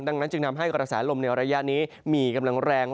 ดังนั้นจึงทำให้กระแสลมในระยะนี้มีกำลังแรง